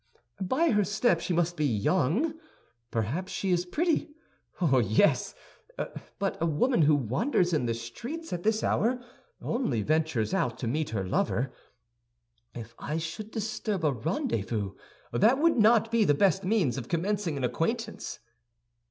"By her step she must be young; perhaps she is pretty. Oh, yes! But a woman who wanders in the streets at this hour only ventures out to meet her lover. If I should disturb a rendezvous, that would not be the best means of commencing an acquaintance."